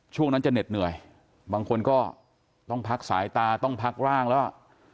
ช่วงนั้นจะเหน็ดเหนื่อยบางคนก็ต้องพักสายตาต้องพักร่างแล้ว